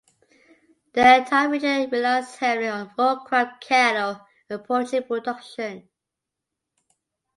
The entire region relies heavily on row-crop, cattle and poultry production.